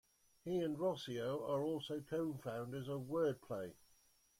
He and Rossio are also co-founders of Wordplay.